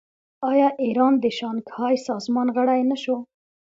آیا ایران د شانګهای سازمان غړی نه شو؟